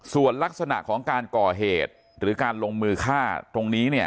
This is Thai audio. ส่วนลักษณะของการก่อเหตุหรือการลงมือฆ่าตรงนี้เนี่ย